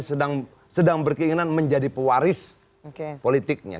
yang kemudian sepertinya sedang berkeinginan menjadi pewaris politiknya